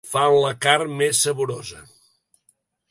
Fan la carn més saborosa.